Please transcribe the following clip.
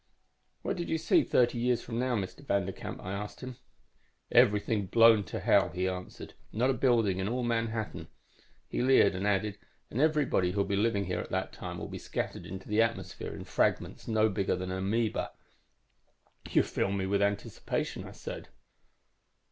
"'What did you see thirty years from now, Mr. Vanderkamp?' I asked him. "'Everything blown to hell,' he answered. 'Not a building in all Manhattan.' He leered and added, 'And everybody who'll be living here at that time will be scattered into the atmosphere in fragments no bigger than an amoeba.' "'You fill me with anticipation,' I said.